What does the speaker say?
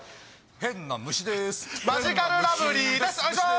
変な虫です。